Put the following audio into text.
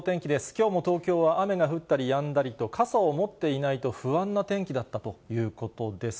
きょうも東京は雨が降ったりやんだりと、傘を持っていないと不安な天気だったということです。